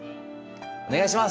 お願いします！